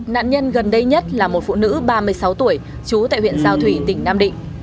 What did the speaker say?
nạn nhân gần đây nhất là một phụ nữ ba mươi sáu tuổi trú tại huyện giao thủy tỉnh nam định